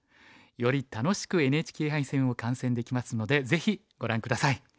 より楽しくＮＨＫ杯戦を観戦できますのでぜひご覧下さい。